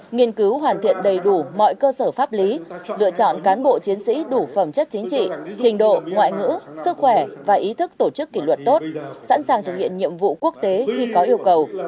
nghiên cứu hoàn thiện đầy đủ mọi cơ sở pháp lý lựa chọn cán bộ chiến sĩ đủ phẩm chất chính trị trình độ ngoại ngữ sức khỏe và ý thức tổ chức kỷ luật tốt sẵn sàng thực hiện nhiệm vụ quốc tế khi có yêu cầu